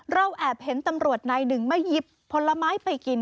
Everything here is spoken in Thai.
แอบเห็นตำรวจนายหนึ่งมาหยิบผลไม้ไปกิน